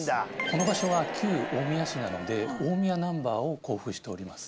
この場所は旧大宮市なので大宮ナンバーを交付しております。